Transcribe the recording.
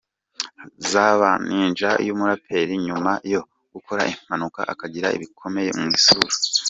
zabaninja, uyu muraperi nyuma yo gukora impanuka akangirika bikomeye mu isura.